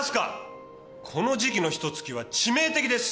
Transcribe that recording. この時期のひと月は致命的です。